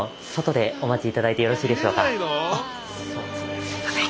ではすいません。